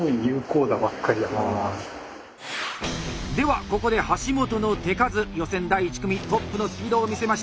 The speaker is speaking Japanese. ではここで橋本の手数予選第１組トップのスピードを見せました。